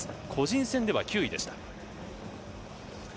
個人戦では９位でした。